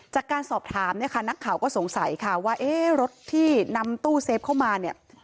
จากการสอบถามเนี่ยค่ะนักข่าวก็สงสัยค่ะว่าเอ๊ะรถที่นำตู้เซฟเข้ามาเนี่ย